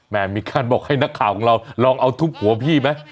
มีการบอกให้นักข่าวของเราลองเอาทุบหัวพี่ไหม